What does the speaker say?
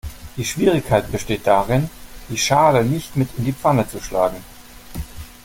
Die Schwierigkeit besteht darin, die Schale nicht mit in die Pfanne zu schlagen.